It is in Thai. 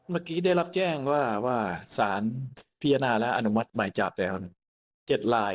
เมื่อกี้ได้รับแจ้งว่าว่าสารพิจารณาและอนุมัติหมายจับแล้ว๗ลาย